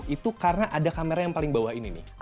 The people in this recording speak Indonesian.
itu karena ada kamera yang paling bawah ini nih